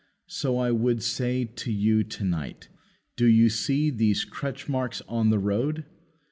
so I would say to you to night, "Do you see these crutch marks on the road?"